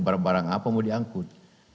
barang barang apa mau diangkut